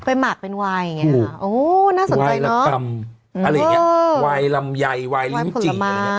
ไปหมักเป็นวายอย่างเงี้ยโอ้โหน่าสนใจเนอะวายละกรรมอะไรอย่างเงี้ยวายลำใยวายลิ้มจี่วายผลไม้